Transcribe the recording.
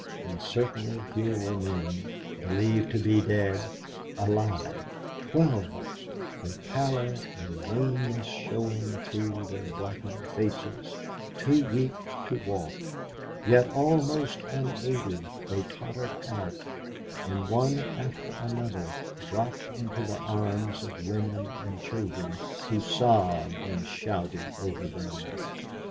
And certainly here were men, believed to be dead, alive, twelve of them, their pallor and wanness showing through their blackened faces, too weak to walk; yet almost unaided, they tottered out, and one after another dropped into the arms of women and children who sobbed and shouted over them.